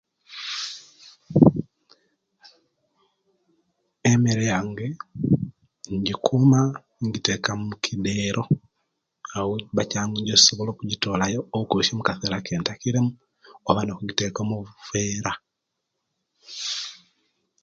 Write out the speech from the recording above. Emere yange, ejikuuma ejiteeka mukideero awo Kiba kyangu, nsobola kujitoolayo o'kozesa omukiseera ekentakiramu , oba nojiteeka omubuveera.